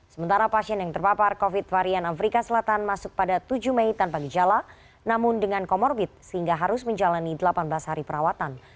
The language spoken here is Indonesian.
sementara pasien yang terpapar covid varian afrika selatan masuk pada tujuh mei tanpa gejala namun dengan comorbid sehingga harus menjalani delapan belas hari perawatan